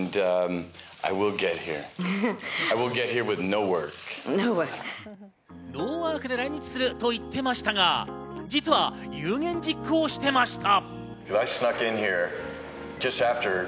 ノーワークで来日すると言っていましたが、実は有言実行していました。